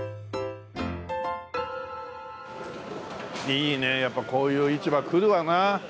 いいねやっぱこういう市場来るわな。